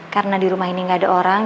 karena di rumah ini gak ada orang